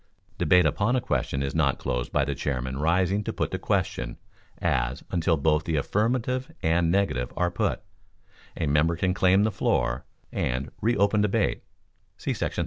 Debate upon a question is not closed by the Chairman rising to put the question, as, until both the affirmative and negative are put, a member can claim the floor, and re open debate [see § 38].